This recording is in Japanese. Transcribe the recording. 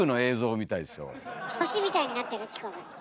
星みたいになってるチコが。